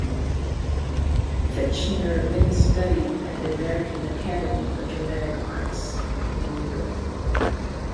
Fichtner then studied at the American Academy of Dramatic Arts in New York.